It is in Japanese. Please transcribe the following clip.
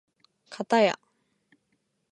かたや